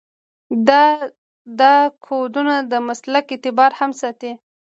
دا کودونه د مسلک اعتبار هم ساتي.